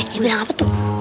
kayaknya bilang apa tuh